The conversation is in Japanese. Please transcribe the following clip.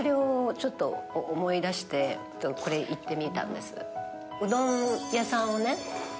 ちょっと思い出してこれいってみたんです。